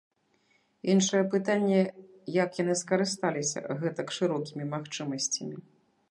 Іншае пытанне, як яны скарысталіся гэтак шырокімі магчымасцямі.